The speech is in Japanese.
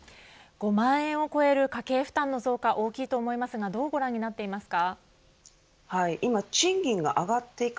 ５万円を超える家計負担の増加大きいと思いますがどうご覧になっていますか。